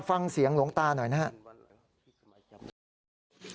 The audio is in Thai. ฟังเสียงหลวงตาหน่อยนะครับ